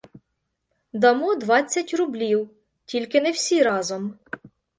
Дамо двадцять рублів, тільки, не всі разом.